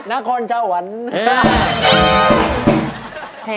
น่ากรเจ้าหวัญ